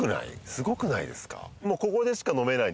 すごくないですか？